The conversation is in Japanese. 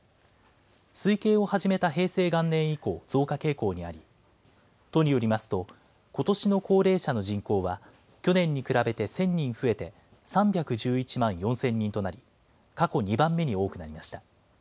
推計を始めた平成元年以降、増加傾向にあり、都によりますと、ことしの高齢者の人口は、去年に比べて１０００人増えて３１１万４０００人となり、過去２番目に多くなりました。